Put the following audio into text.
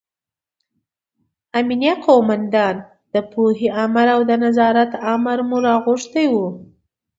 امینه قوماندان، د پوهنې امر او د نظارت امر مو راغوښتي وو.